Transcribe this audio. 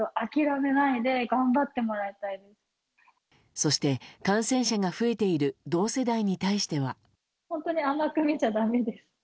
そして、感染者が増えている同世代に対しては。